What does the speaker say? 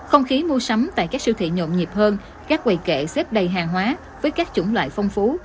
không khí mua sắm tại các siêu thị nhộn nhịp hơn các quầy kệ xếp đầy hàng hóa với các chủng loại phong phú